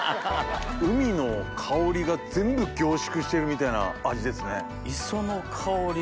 海の香りが全部凝縮してるみたいな味ですね。